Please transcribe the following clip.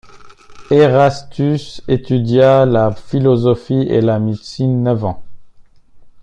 Erastus étudia la philosophie et la médecine neuf ans.